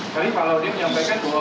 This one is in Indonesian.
tapi pak laudy menyampaikan bahwa